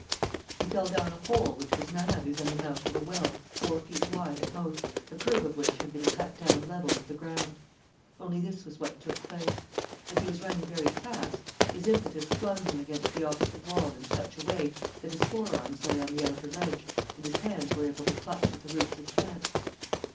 He fell down a hole which was none other than the mouth of a well four feet wide at most, the curb of which had been cut down level with the ground. Only this was what took place: as he was running very fast, his impetus flung him against the opposite wall in such a way that his forearms lay on the outer ledge and his hands were able to clutch at the roots of plants.